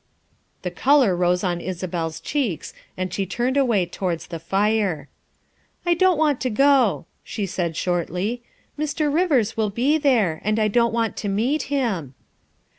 The color rose in Isabel's cheeks and she turned away towards the fire. " I don't want to go," she said shortly. " Mr. Rivers will be there. I don 't want to meet him.